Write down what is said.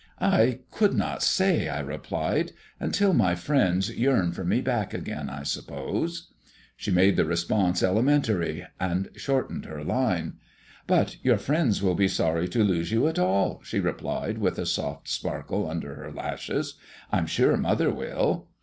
"I could not say," I replied. "Until my friends yearn for me back again, I suppose." She made the response elementary, and shortened her line. "But your friends will be sorry to lose you at all," she replied, with a soft sparkle under her lashes. "I'm sure mother will."